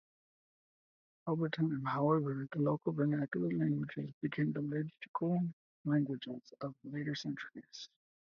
Over time, however, the local vernacular languages became the liturgical languages of later centuries.